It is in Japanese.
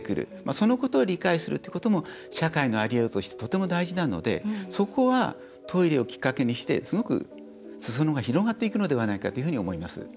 そのことを理解するということも社会の在りようとしてとても大事なのでそこはトイレをきっかけにしてすごく、すそ野が広がっていくのではないかというふうに思います。